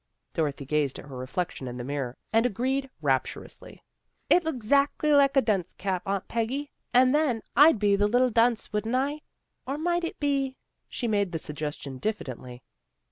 Dorothy gazed at her reflection in the mirror, and agreed rapturously. " It looks 'zactly like a dunce cap, Aunt Peggy, and then I'd be the little dunce, wouldn't I? Or might it be she made the suggestion diffidently.